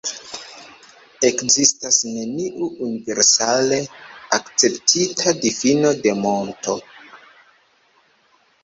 Ekzistas neniu universale akceptita difino de monto.